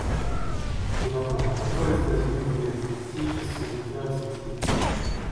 Et, maintenant, pourquoi les États-Unis voulaient-ils se défaire de cette île?